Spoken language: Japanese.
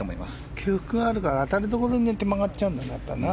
起伏があるから当たりどころによっては曲がっちゃうんだな。